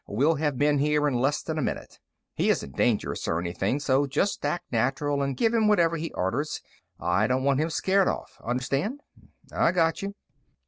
We'll have men here in less than a minute. He isn't dangerous or anything, so just act natural and give him whatever he orders. I don't want him scared off. Understand?" "I got you."